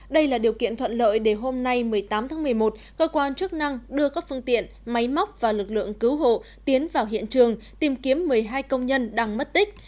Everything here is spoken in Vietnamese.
đây là điều kiện thuận lợi để hôm nay một mươi tám tháng một mươi một cơ quan chức năng đưa các phương tiện máy móc và lực lượng cứu hộ tiến vào hiện trường tìm kiếm một mươi hai công nhân đang mất tích